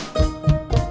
delapan satu komandan